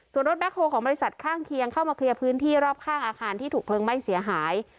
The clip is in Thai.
ส่วนรถแคลของบริษัทข้างเคียงเข้ามาเคลียร์พื้นที่รอบข้างอาคารที่ถูกเพลิงไหม้เสียหาย